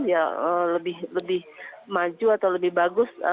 ya lebih maju atau lebih bagus